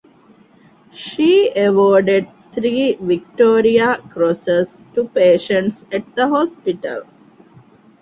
She awarded three Victoria Crosses to patients at the hospital.